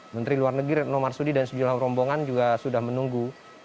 menteri luar negeri retno marsudi dan sejumlah rombongan juga sudah menunggu